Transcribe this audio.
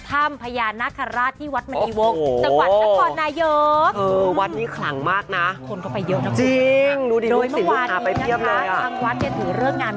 ถ้ำพญาณาฆราชที่วัดมันอิวง